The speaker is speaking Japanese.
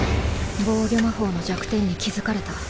防御魔法の弱点に気付かれた。